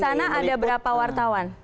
di sana ada berapa wartawan